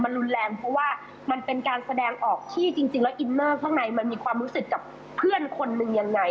รุนแรงเพราะว่ามันเป็นการแสดงออกที่จริงแล้วอินเนอร์ข้างในมันมีความรู้สึกกับเพื่อนคนหนึ่งยังไง